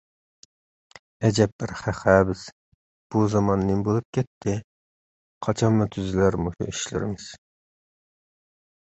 ئەجەب بىر خەق-ھە بىز! بۇ زامان نېمە بولۇپ كەتتى؟ قاچانمۇ تۈزىلەر مۇشۇ ئىشلىرىمىز؟!